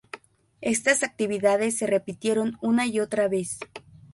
Estas actividades se repitieron una y otra vez.